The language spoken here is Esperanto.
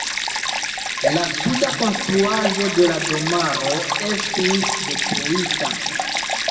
La suda konstruaĵo de la domaro estis detruita.